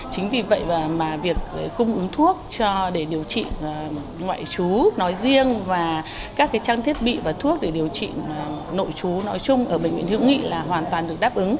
chính vì vậy mà việc cung ứng thuốc để điều trị ngoại trú nói riêng và các trang thiết bị và thuốc để điều trị nội chú nói chung ở bệnh viện hữu nghị là hoàn toàn được đáp ứng